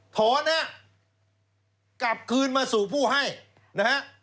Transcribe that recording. ถอนฮะกลับคืนมาสู่ผู้ให้นะฮะ